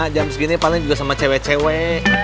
jam segini paling juga sama cewek cewek